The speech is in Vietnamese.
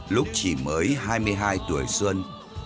lúc chỉ mới hai mươi hai tuổi xuân